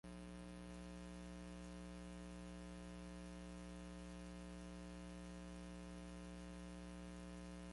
Masks were mandatory except for players on the court.